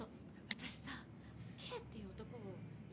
私さＫっていう男を。